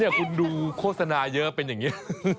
นี่คุณดูโฆษณาเยอะไปอย่างนี้